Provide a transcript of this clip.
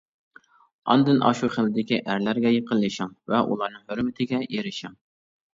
ئاندىن ئاشۇ خىلدىكى ئەرلەرگە يېقىنلىشىڭ ۋە ئۇلارنىڭ ھۆرمىتىگە ئېرىشىڭ.